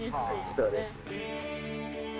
そうです